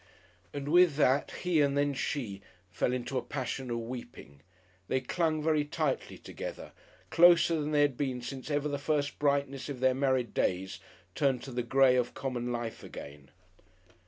And with that he and then she fell into a passion of weeping. They clung very tightly together closer than they had been since ever the first brightness of their married days turned to the grey of common life again.